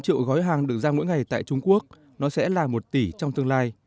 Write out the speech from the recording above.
các gói hàng được giao mỗi ngày tại trung quốc nó sẽ là một tỷ trong tương lai